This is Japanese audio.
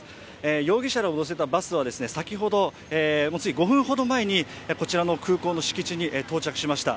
容疑者らを乗せたバスは先ほど、つい５分ほど前にこちらの空港の敷地に到着しました。